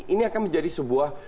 ini akan menjadi sebuah